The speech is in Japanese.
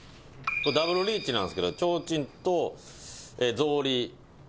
「これダブルリーチなんですけどちょうちんと草履」